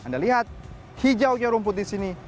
anda lihat hijaunya rumput di sini